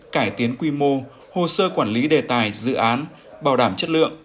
cải tiến quy mô hồ sơ quản lý đề tài dự án bảo đảm chất lượng